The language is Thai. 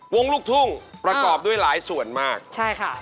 วงลุกทุ่งประกอบด้วยหลายส่วนมากนะครับใช่ค่ะ